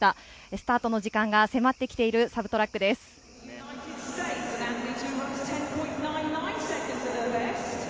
スタート時間が迫ってきているサブトラックです。